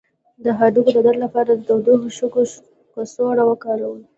د هډوکو د درد لپاره د تودو شګو کڅوړه وکاروئ